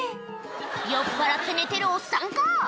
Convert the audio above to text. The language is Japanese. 酔っぱらって寝てるおっさんか？